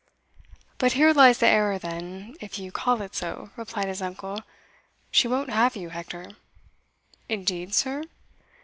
"But here lies the error, then, if you call it so," replied his uncle: "she won't have you, Hector." "Indeed, sir?"